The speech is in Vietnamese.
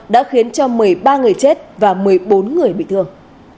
đã khiến cho một mươi ba người chết và một mươi bốn người bị thương